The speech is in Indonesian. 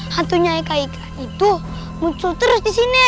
hantunya kak ika itu muncul terus di sini